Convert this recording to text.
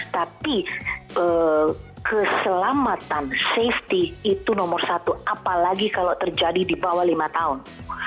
tapi keselamatan safety itu nomor satu apalagi kalau terjadi di bawah lima tahun